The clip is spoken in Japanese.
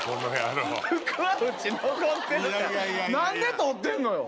何で取ってんのよ？